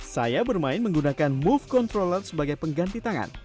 saya bermain menggunakan move controller sebagai pengganti tangan